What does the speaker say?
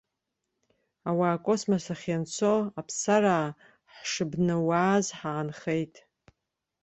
Ауаа акосмос ахь ианцо, аԥсараа ҳшыбнауааз ҳаанхеит.